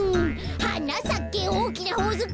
「はなさけおおきなほおずき」